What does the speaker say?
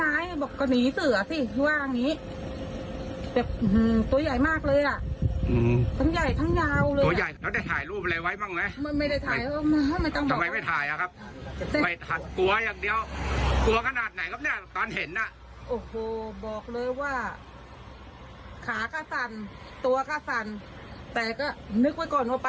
แต่ก็นึกไว้ก่อนว่าไปหาหลวงพ่อโตก่อนอย่างเดียว